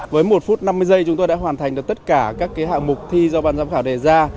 với một phút năm mươi giây chúng tôi đã hoàn thành được tất cả các hạng mục thi do ban giám khảo đề ra